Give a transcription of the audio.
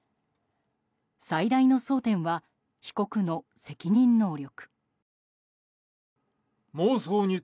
最大の争点は、被告の責任能力。